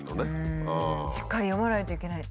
うんしっかり読まないといけない。